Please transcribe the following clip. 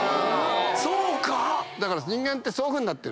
そうか⁉人間ってそういうふうになってる。